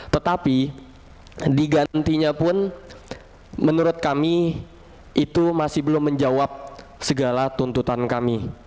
tetapi digantinya pun menurut kami itu masih belum menjawab segala tuntutan kami